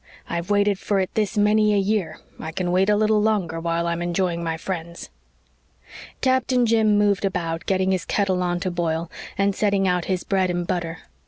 I've waited for it this many a year. I can wait a little longer while I'm enjoying my friends." Captain Jim moved about getting his kettle on to boil, and setting out his bread and butter.